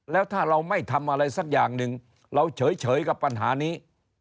แล้วถ้าเราไม่ทำอะไรสักอย่างหนึ่งเราเฉยกับปัญหานี้